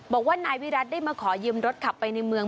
บอกว่านายวิรัติได้มาขอยืมรถขับไปในเมือง